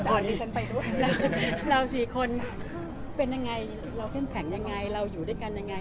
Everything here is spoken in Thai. เราสี่คนเราสี่คนเป็นยังไงเราเข้มแข็งยังไงเราอยู่ด้วยกันยังไง